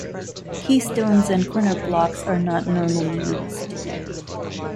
Keystones and corner blocks are not normally used.